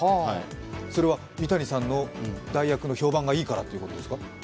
それは三谷さんの代役の評判がいいからということですか？